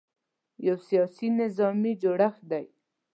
یو سیاسي – نظامي جوړښت دی.